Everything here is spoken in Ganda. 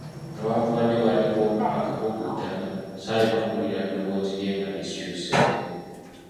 Newakubadde waaliwo akabuguutano saalema kuwulira ddoboozi lye nga likyuseeko.